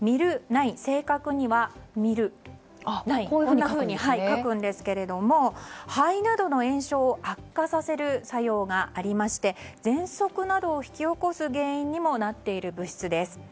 正確にはＭｙｌ９と書くんですけれども肺などの炎症を悪化させる作用がありましてぜんそくなどを引き起こす原因にもなっている物質です。